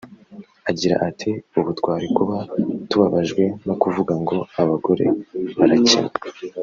Agira ati “Ubu twari kuba tubabajwe no kuvuga ngo abagore barakennye